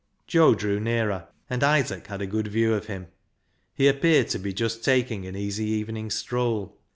Joe drew nearer, and Isaac had a good view of him. He appeared to be just taking an easy evening stroll.